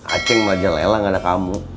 aceh majalela gak ada kamu